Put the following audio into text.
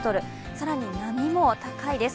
更に波も高いです